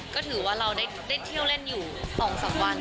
ก็ถือว่าเราได้เที่ยวเล่นอยู่๒๓วัน